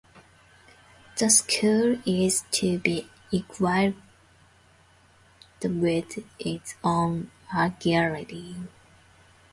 The school is to be equipped with its own art gallery.